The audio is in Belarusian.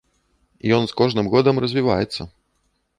Ён з кожным годам развіваецца.